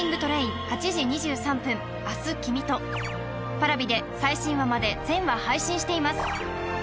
Ｐａｒａｖｉで最新話まで全話配信しています